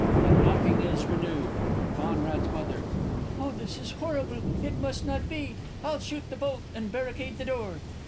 The knocking is renewed._ C.'s M. Oh, this is horrible it must not be! I'll shoot the bolt and barricade the door.